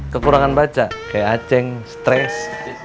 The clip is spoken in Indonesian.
kekurangan baca kayak aceng stres